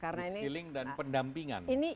risk killing dan pendampingan